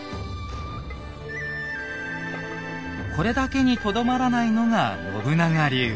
これだけにとどまらないのが信長流。